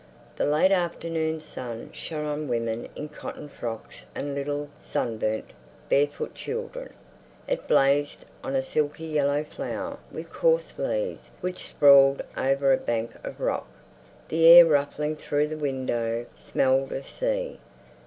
The late afternoon sun shone on women in cotton frocks and little sunburnt, barefoot children. It blazed on a silky yellow flower with coarse leaves which sprawled over a bank of rock. The air ruffling through the window smelled of the sea.